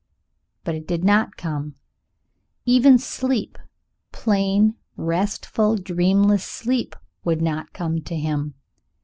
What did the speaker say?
But it did not come even sleep, plain, restful, dreamless sleep, would not come to him.